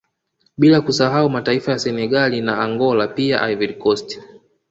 Bila kusahau mataifa ya Senegali na Angola pia Ivorycost